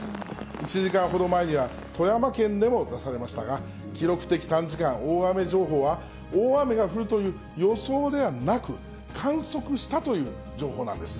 １時間ほど前には、富山県でも出されましたが、記録的短時間大雨情報は、大雨が降るという予想ではなく、観測したという情報なんです。